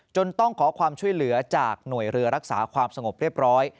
ต้องขอความช่วยเหลือจากหน่วยเรือรักษาความสงบเรียบร้อย